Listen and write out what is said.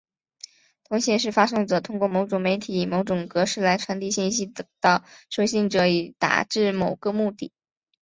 通信是发送者通过某种媒体以某种格式来传递信息到收信者以达致某个目的。